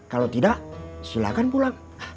kalau tidak silakan pulang